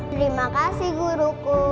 terima kasih guruku